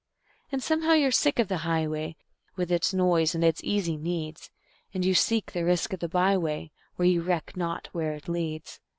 And somehow you're sick of the highway, with its noise and its easy needs, And you seek the risk of the by way, and you reck not where it leads.